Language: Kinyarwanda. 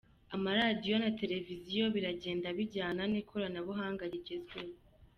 Amaradiyo na televisiyo biragenda bijyana n’ikoranabuhanga rigezweho.